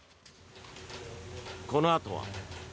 このあとは。